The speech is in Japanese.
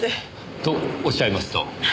とおっしゃいますと？